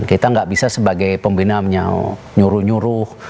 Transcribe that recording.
kita nggak bisa sebagai pembina menyalur nyuruh